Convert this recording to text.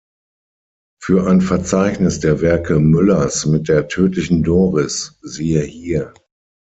Für ein Verzeichnis der Werke Müllers mit der Tödlichen Doris siehe hier.